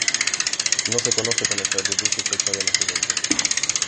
No se conoce con exactitud su fecha de nacimiento.